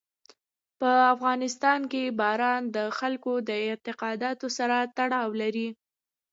په افغانستان کې باران د خلکو د اعتقاداتو سره تړاو لري.